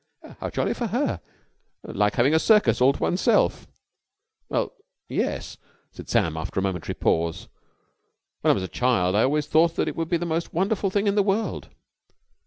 '" "How jolly for her. Like having a circus all to oneself." "Well, yes," said Sam after a momentary pause. "When I was a child I always thought that that would be the most wonderful thing in the world."